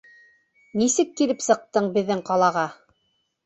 Нисек килеп сыҡтың беҙҙең ҡалаға?